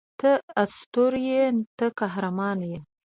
ته اسطوره یې ته قهرمان یې